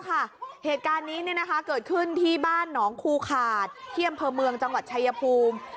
เหตุการณ์นี้เกิดขึ้นที่บ้านหนองคูขาดที่อำเภอเมืองจังหวัดชายภูมิ